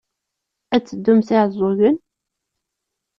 Ad teddum s Iɛeẓẓugen?